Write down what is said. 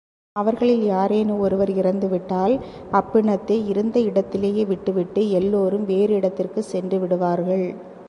அவர்களில் யாரேனும் ஒருவர் இறந்துவிட்டால், அப்பிணத்தை இருந்த இடத்திலேயே விட்டுவிட்டு எல்லோரும் வேறு இடத்திற்குச் சென்று விடுவார்கள்.